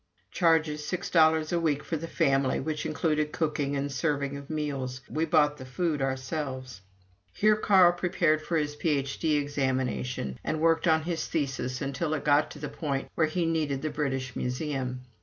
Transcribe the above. Charges, six dollars a week for the family, which included cooking and serving our meals we bought the food ourselves. Here Carl prepared for his Ph.D. examination, and worked on his thesis until it got to the point where he needed the British Museum.